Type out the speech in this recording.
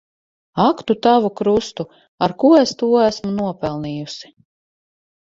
Ak tu tavu krustu! Ar ko es to esmu nopelnījusi.